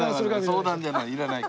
相談じゃない。